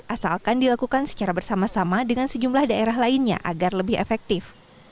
asalkan dilakukan secara bersama sama dengan sejumlah daerah lainnya agar lebih efektif